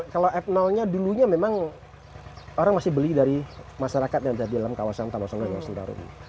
kalau f nya dulunya memang orang masih beli dari masyarakat yang ada di dalam kawasan tanah sungga dan kawasan sentarun